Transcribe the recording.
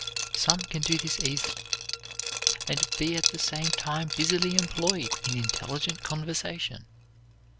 Some can do this easily, and be at the same time busily employed in intelligent conversation.